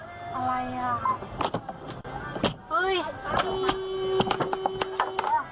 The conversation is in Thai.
อะไรอ่ะอะไรวะ